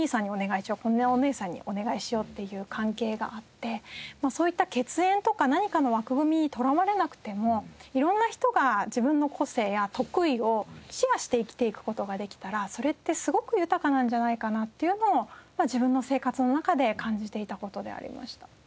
このお姉さんにお願いしようっていう関係があってそういった血縁とか何かの枠組みにとらわれなくても色んな人が自分の個性や得意をシェアして生きていく事ができたらそれってすごく豊かなんじゃないかなっていうのを自分の生活の中で感じていた事でありました。